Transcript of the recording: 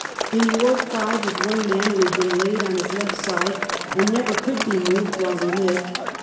In Ward Five was one man who had been laid on his left side, and never could be moved while he lived.